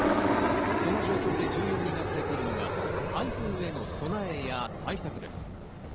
その状況で重要になってくるのが台風への備えや対策です。